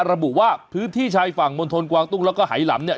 ระบุว่าพื้นที่ชายฝั่งมณฑลกวางตุ้งแล้วก็ไหลำเนี่ย